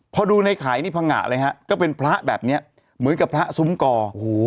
พอดูในไข่นี่พังงะเลยฮะก็เป็นพระแบบนี้เหมือนกับพระซุ้มกอ